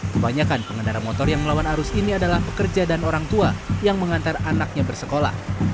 kebanyakan pengendara motor yang melawan arus ini adalah pekerja dan orang tua yang mengantar anaknya bersekolah